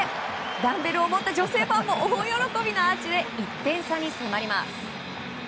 ダンベルを持った女性ファンも大喜びのアーチで１点差に迫ります。